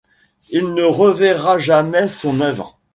Il ne reverra jamais son œuvre.